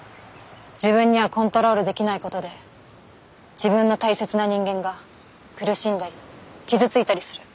自分にはコントロールできないことで自分の大切な人間が苦しんだり傷ついたりする。